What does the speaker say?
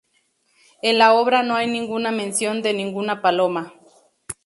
En la obra no hay ninguna mención de ninguna paloma.